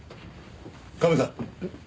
カメさん。